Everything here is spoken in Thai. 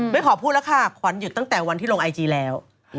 ขอพูดแล้วค่ะขวัญหยุดตั้งแต่วันที่ลงไอจีแล้ว